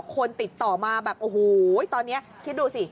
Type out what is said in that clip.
คนติดต่อมาแบบโอ้โหตอนนี้คิดดูสิ